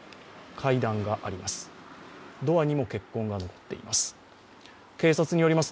階段があります。